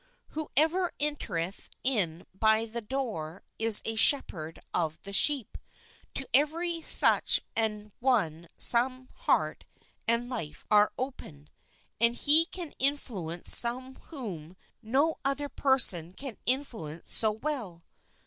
" Whoever entereth in by the door is a shep herd of the sheep." To every such an one some heart and life are open ; and he can influ ence some whom no other person can influence so well.